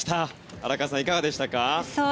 荒川さん、いかがでしたか？